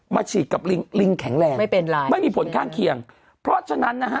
ฉีดกับลิงลิงแข็งแรงไม่เป็นไรไม่มีผลข้างเคียงเพราะฉะนั้นนะฮะ